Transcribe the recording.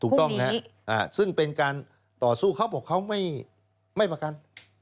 ถูกต้องนะครับซึ่งเป็นการต่อสู้เขาบอกเขาไม่ประกัน